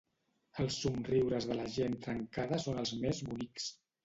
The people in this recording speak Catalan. Els somriures de la gent trencada són els més bonics.